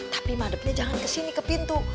tapi madepnya jangan kesini ke pintu